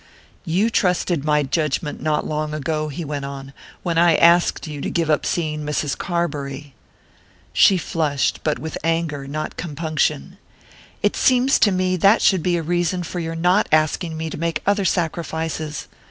"You trusted my judgment not long ago," he went on, "when I asked you to give up seeing Mrs. Carbury " She flushed, but with anger, not compunction. "It seems to me that should be a reason for your not asking me to make other sacrifices!